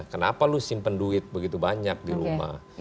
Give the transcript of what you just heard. kenapa lu simpen duit begitu banyak di rumah